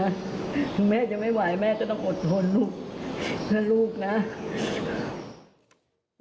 แม่จะไม่ไหวแม่ก็ต้องอดทนลูกถ้าลูกนะ